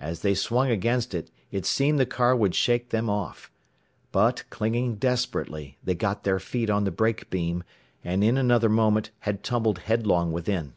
As they swung against it, it seemed the car would shake them off. But clinging desperately, they got their feet on the brake beam, and in another moment had tumbled headlong within.